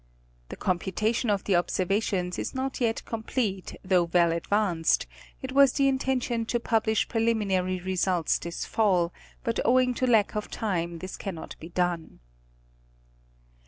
The computation of the observations is not yet complete though well advanced ; it was the intention to publish preliminary results this Fall, but owing to lack of time that can not be done.